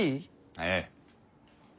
ええ。